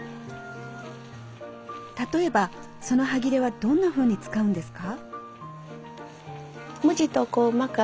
例えばそのハギレはどんなふうに使うんですか？